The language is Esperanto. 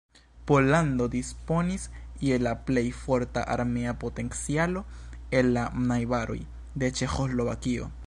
Pollando disponis je la plej forta armea potencialo el la najbaroj de Ĉeĥoslovakio.